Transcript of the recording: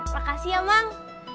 makasih ya mang